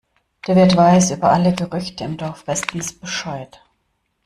Der Wirt weiß über alle Gerüchte im Dorf bestens Bescheid.